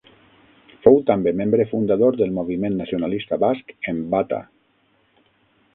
Fou també membre fundador del moviment nacionalista basc Enbata.